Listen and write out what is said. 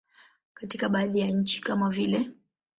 Katika baadhi ya nchi kama vile.